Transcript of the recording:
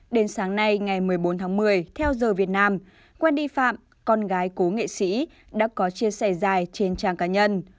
đến sáng nay ngày một mươi bốn tháng một mươi theo giờ việt nam quen đi phạm con gái cố nghệ sĩ đã có chia sẻ dài trên trang cá nhân